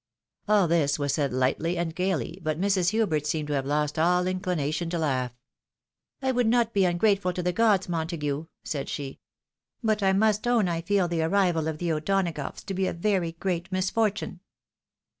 All this was said Hghtly and gaily, but Mrs. Hubert seemed to have lost aU inclination to laugh. " I would not be ungrateful to the gods, Montague," said she, " but I must own I feel the arrival of the O'Donagoughs to be a very great misfortune."